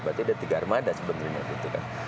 berarti ada tiga armada sebenarnya